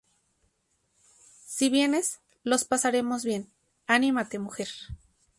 Si vienes lo pasaremos bien. Anímate, mujer.